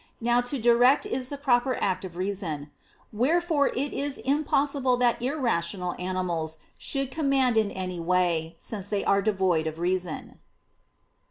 Now to direct is the proper act of reason. Wherefore it is impossible that irrational animals should command in any way, since they are devoid of reason.